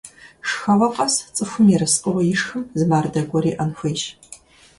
Шхэгъуэ къэс цӀыхум ерыскъыуэ ишхым зы мардэ гуэр иӀэн хуейщ.